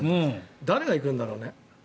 誰が行くんだろうね。